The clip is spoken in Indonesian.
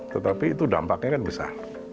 tetapi itu dampaknya kan besar